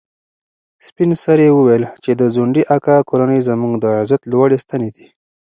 سپین سرې وویل چې د ځونډي اکا کورنۍ زموږ د عزت لوړې ستنې دي.